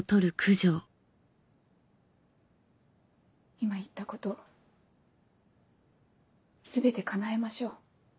今言ったこと全て叶えましょう。